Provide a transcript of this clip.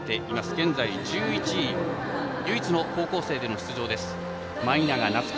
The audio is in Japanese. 現在１１位唯一の高校生での出場舞永夏稀。